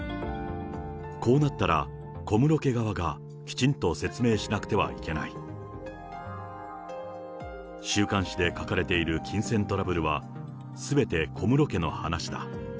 こうなったら、小室家側がきちんと説明しなくてはいけない。週刊誌で書かれている金銭トラブルはすべて小室家の話だ。